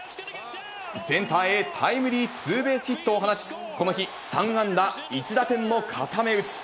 センターへタイムリーツーベースヒットを放ち、この日、３安打１打点の固め打ち。